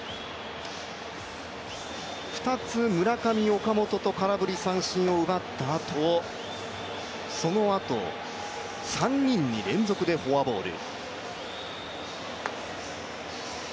２つ、村上、岡本と空振り三振を奪ったあと、そのあと、３人に連続でフォアボール。